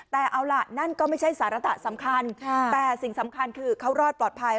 แต่เอาล่ะนั่นก็ไม่ใช่สารตะสำคัญแต่สิ่งสำคัญคือเขารอดปลอดภัย